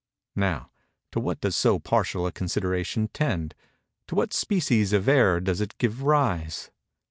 Now, to what does so partial a consideration tend—to what species of error does it give rise?